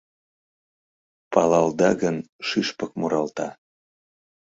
Палалда гын, шӱшпык муралта